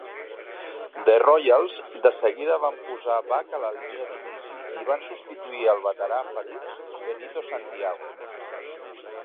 The Royals de seguida van posar Buck a la línia d'inici, i van substituir el veterà ferit Benito Santiago.